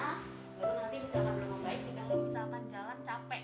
nanti misalkan belum membaik